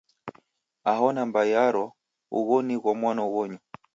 Aho nambai yaro, ugho nigho mwano ghonyu.